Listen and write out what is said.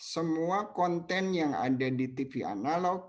semua konten yang ada di tv analog